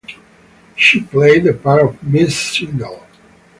She played the part of Miss Shingle.